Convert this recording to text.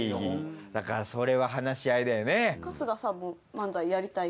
だからそれは話し合いだよね。